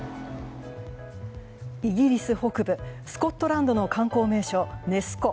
イギリス北部スコットランドの観光名所ネス湖。